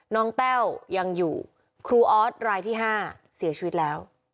แต้วยังอยู่ครูออสรายที่๕เสียชีวิตแล้ว